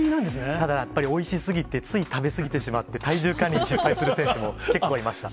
ただやっぱり、おいしすぎて、つい食べ過ぎてしまって、体重管理に失敗する選手も結構いました。